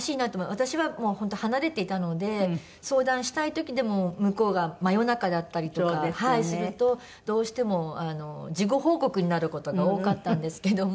私はもう本当離れていたので相談したい時でも向こうが真夜中だったりとかするとどうしても事後報告になる事が多かったんですけども